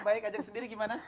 baik ajeng sendiri gimana